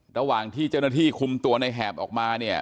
ระหว่างที่เจ้าหน้าที่คุมตัวในแหบออกมาเนี่ย